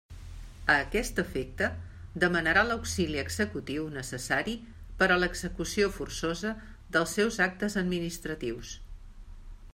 A aquest efecte, demanarà l'auxili executiu necessari per a l'execució forçosa dels seus actes administratius.